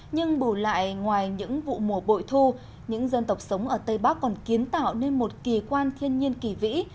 nhưng bù lại ngoài những vụ mùa bội thu những dân tộc sống ở tây bắc còn kiến tạo nên một kỳ quan thiên nhiên kỳ vĩ